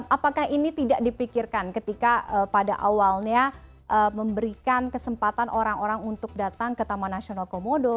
apakah ini tidak dipikirkan ketika pada awalnya memberikan kesempatan orang orang untuk datang ke taman nasional komodo